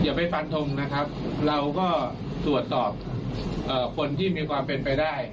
ไม่ฟันทงนะครับเราก็ตรวจสอบคนที่มีความเป็นไปได้